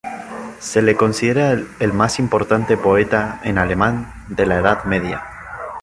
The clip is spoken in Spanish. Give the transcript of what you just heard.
Se le considera el más importante poeta en alemán de la Edad Media.